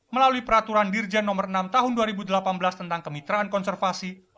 melalui peraturan dirjen nomor enam tahun dua ribu delapan belas tentang kemitraan konservasi